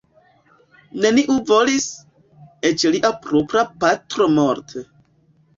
Neniu volis; eĉ lia propra patro Mort.